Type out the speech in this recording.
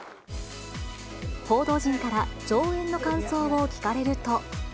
報道陣から、上映の感想を聞かれると。